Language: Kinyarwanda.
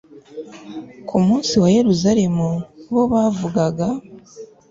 ku munsi wa yeruzalemu, bo bavugaga